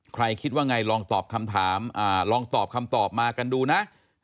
ใครคิดว่าไงลองตอบคำถามลองตอบคำตอบมากันดูนะ